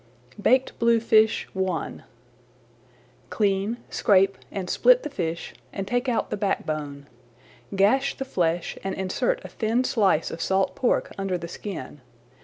BAKED BLUEFISH I Clean, scrape, and split the fish and take out the backbone. Gash the flesh and insert a thin slice of salt pork under the skin.